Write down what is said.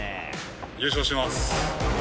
優勝します。